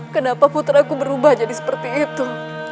kenapa putraku berubah jadi seperti itu